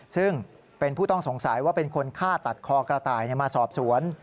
ซึ่งเป็นผู้ต้องสงสัยว่าเป็นคนฆ่าตัดคอกระต่ายมาสอบสวน